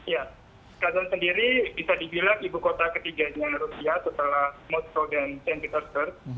ya kazan sendiri bisa dibilang ibu kota ketiga di rusia setelah moskow dan saint petersburg